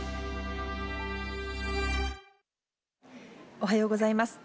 おはようございます。